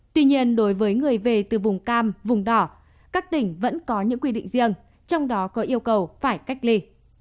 tuy nhiên đối với người về từ vùng cam vùng đỏ các tỉnh vẫn có những quy định riêng trong đó có yêu cầu phải cách ly